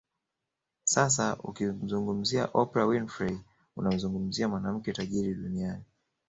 Sasa ukimzungumzia Oprah Winfrey unamzungumzia mwanamke tajiri Duniani